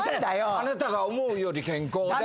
「あなたが思うより健康です」